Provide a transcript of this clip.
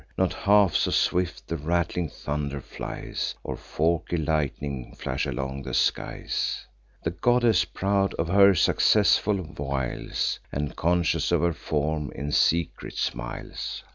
Not half so swift the rattling thunder flies, Or forky lightnings flash along the skies. The goddess, proud of her successful wiles, And conscious of her form, in secret smiles.